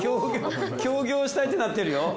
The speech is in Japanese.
協業したいってなってるよ。